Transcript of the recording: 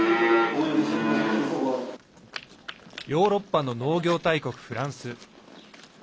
ヨーロッパの農業大国フランス。